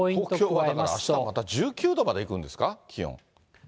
東京はあしたまた１９度までいくんですか、気温。